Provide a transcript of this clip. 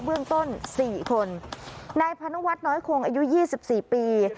เบื้องต้นสี่คนนายพนวัฒน์น้อยโคงอายุยี่สิบสี่ปี